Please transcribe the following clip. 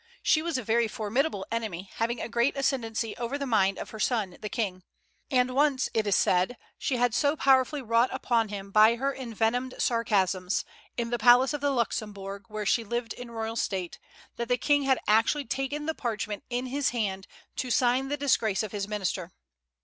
She was a very formidable enemy, having a great ascendency over the mind of her son the King; and once, it is said, she had so powerfully wrought upon him by her envenomed sarcasms, in the palace of the Luxembourg where she lived in royal state, that the King had actually taken the parchment in his hand to sign the disgrace of his minister.